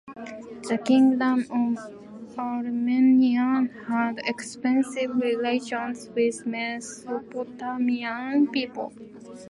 The Kingdom of Armenia had extensive relations with Mesopotamian people.